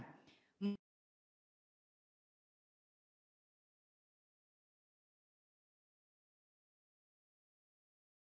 dan juga kinerja ekonomi juga menunjukkan kekuatan kebijaksanaan